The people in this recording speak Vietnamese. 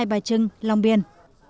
hai bài trưng long biên